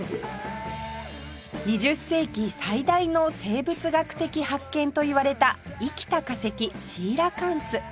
２０世紀最大の生物学的発見といわれた生きた化石シーラカンス